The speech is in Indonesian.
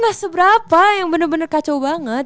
gak seberapa yang bener bener kacau banget